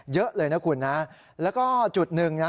เยอะเลยนะคุณนะแล้วก็จุดหนึ่งนะ